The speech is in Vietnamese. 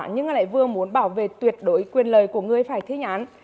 nhưng lại vừa muốn bảo vệ tuyệt đối quyền lời của người phải thi hành án